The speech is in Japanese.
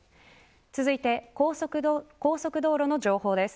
続いて高速道路の情報です。